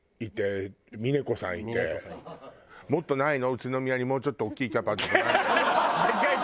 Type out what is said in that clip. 宇都宮にもうちょっと大きいキャパのとこないの？